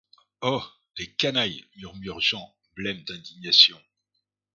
Oh! les canailles ! murmura Jean, blême d’indignation.